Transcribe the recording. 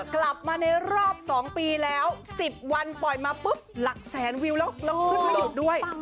กลับมาในรอบ๒ปีแล้ว๑๐วันปล่อยมาปุ๊บหลักแสนวิวแล้วขึ้นประโยชน์ด้วย